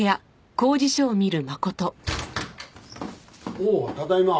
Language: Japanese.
おおただいま。